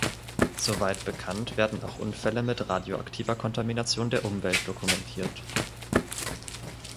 Soweit bekannt werden auch Unfälle mit radioaktiver Kontamination der Umwelt dokumentiert.